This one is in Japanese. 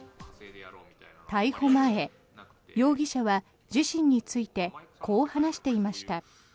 逮捕前、容疑者は自身についてこう話していました。